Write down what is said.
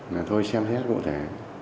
mà thôi xem xét cụ thể